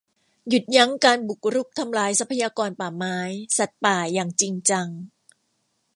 หยุดยั้งการบุกรุกทำลายทรัพยากรป่าไม้ สัตว์ป่า อย่างจริงจัง